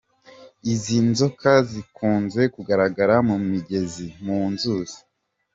Izi nzoka zikunze kugaragara mu migezi, mu nzuzi.